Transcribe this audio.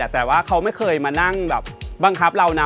แต่เขาไม่เคยมานั่งบังคับเรานะ